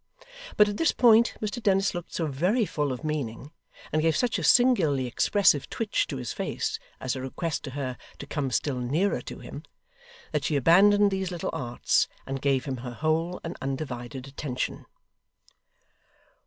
But at this point, Mr Dennis looked so very full of meaning, and gave such a singularly expressive twitch to his face as a request to her to come still nearer to him, that she abandoned these little arts, and gave him her whole and undivided attention.